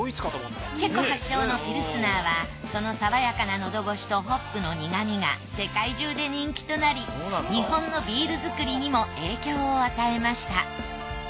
チェコ発祥のピルスナーはその爽やかな喉越しとホップの苦味が世界中で人気となり日本のビール造りにも影響を与えました